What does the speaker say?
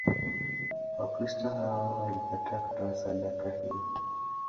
Wakristo hao walikataa kutoa sadaka hiyo.